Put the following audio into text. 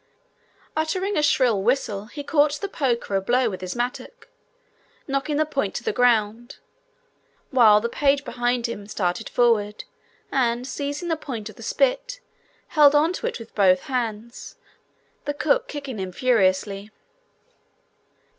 Uttering a shrill whistle, he caught the poker a blow with his mattock, knocking the point to the ground, while the page behind him started forward, and seizing the point of the spit, held on to it with both hands, the cook kicking him furiously.